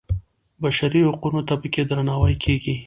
بشري حقونو ته په کې درناوی کېږي.